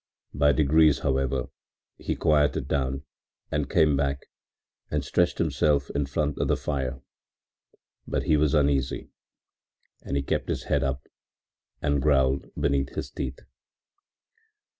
By degrees, however, he quieted down and came back and stretched himself in front of the fire, but he was uneasy and kept his head up and growled between his teeth.